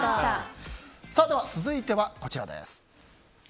続いては、こちらです。